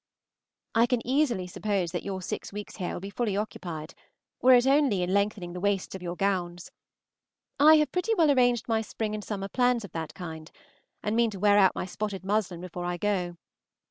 I can easily suppose that your six weeks here will be fully occupied, were it only in lengthening the waists of your gowns. I have pretty well arranged my spring and summer plans of that kind, and mean to wear out my spotted muslin before I go.